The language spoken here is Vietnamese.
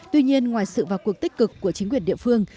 tuy nhiên ngoài sự vào cuộc tích cực của chính quyền địa phương